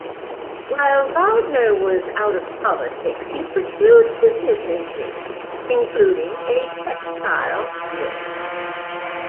While Gardner was out of politics, he pursued business interests, including a textile mill.